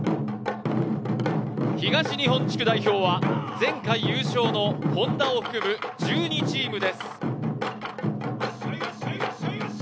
東日本地区代表は、前回優勝のＨｏｎｄａを含む１２チームです。